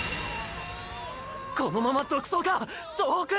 このまま独走か総北！！